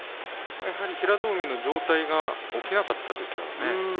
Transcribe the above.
やはり平戸海の上体が起きなかったですからね。